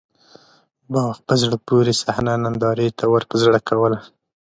باغ په زړه پورې صحنه نندارې ته ورپه زړه کوله.